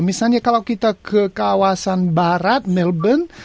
misalnya kalau kita ke kawasan barat melbourne